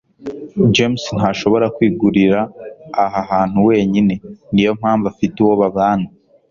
james ntashobora kwigurira aha hantu wenyine. niyo mpamvu afite uwo babana